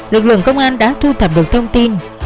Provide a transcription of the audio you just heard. lực lượng công an đã thu thập được thông tin